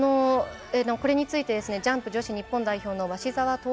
これについてジャンプ女子日本代表のわしざわ